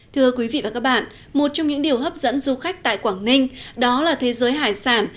thưa quý vị và các bạn một trong những điều hấp dẫn du khách tại quảng ninh đó là thế giới hải sản